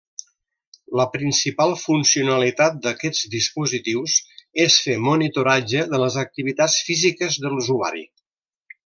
La principal funcionalitat d’aquests dispositius és fer monitoratge de les activitats físiques de l’usuari.